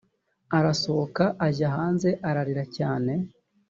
arasohoka ajya hanze ararira cyane